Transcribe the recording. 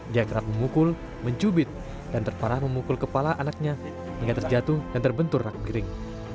dia kerap memukul mencubit dan terparah memukul kepala anaknya hingga terjatuh dan terbentur rak piring